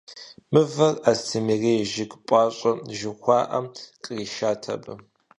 Мывэр «Астемырей жыг пӀащӀэ» жыхуаӀэм къришат абы.